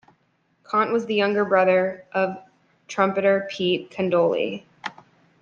Conte was the younger brother of trumpeter Pete Candoli.